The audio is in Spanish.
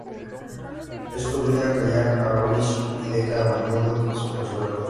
Esto obliga a callar a Urich y deja a Murdock a su suerte.